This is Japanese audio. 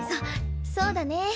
そそうだね。